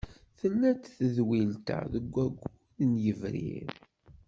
Tella-d tedwilt-a deg waggur n yebrir.